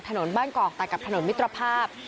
ถนนบ้านกอกตัดกับถนนมิตรภาพ